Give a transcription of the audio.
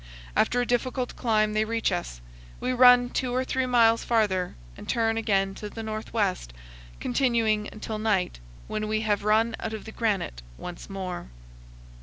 After a difficult climb they reach us. We run two or three miles farther and turn again to the northwest, continuing until night, when we have run out of the granite once more.